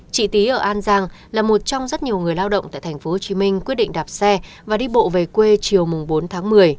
chị tý ở an giang là một trong rất nhiều người lao động tại tp hcm quyết định đạp xe và đi bộ về quê chiều bốn tháng một mươi